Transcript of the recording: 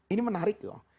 ini menarik loh